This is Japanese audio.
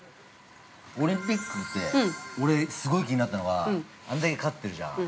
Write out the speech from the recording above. ◆オリンピックって俺すごい気になったのがあんだけ勝ってるじゃん。